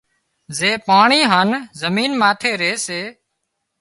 زي پاڻي هانَ زمين ماٿي ري سي